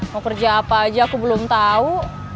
mau kerja apa aja aku belum tahu